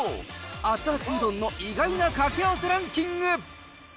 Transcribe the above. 熱々うどんの意外なかけあわせランキング。